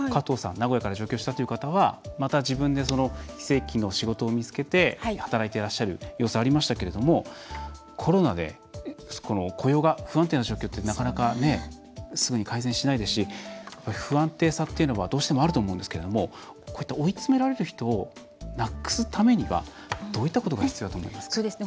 名古屋から上京したという方はまた自分で非正規の仕事を見つけて働いていらっしゃる様子がありましたけれどもコロナで雇用が不安定な状況ってなかなかすぐに改善しないですし不安定さっていうのはどうしてもあると思うんですけれどもこういった追い詰められる人をなくすためにはどういったことが必要だと思いますか？